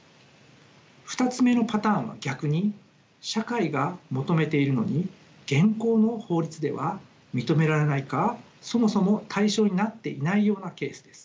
２つ目のパターンは逆に社会が求めているのに現行の法律では認められないかそもそも対象になっていないようなケースです。